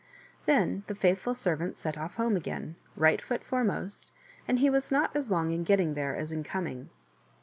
Then the faithful servant set off home again, right foot foremost, and he was not as long in getting there as in coming.